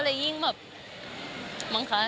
ก็เลยยิ่งแบบมันค่ะ